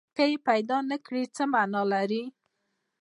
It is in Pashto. که یې پیدا نه کړي، څه معنی لري؟